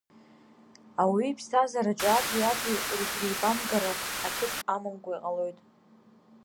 Ауаҩы иԥсҭазаараҿы аӡәи-аӡәи рыгәреибамгара аҭыԥ амамкәа иҟалоит.